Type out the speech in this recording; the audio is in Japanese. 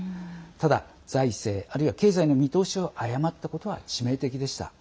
ただ、財政、あるいは経済の見通しを誤ったことは致命的でした。